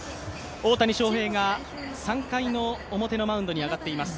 大谷翔平が３回の表のマウンドに上がっています。